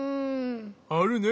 あるね